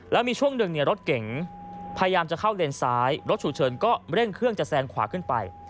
แล้วมีช่วงหนึ่งรถเก๋งพยายามจะเข้าเลนซ้ายรถฉุกเฉินก็เร่งเครื่องจะแซงขวาขึ้นไป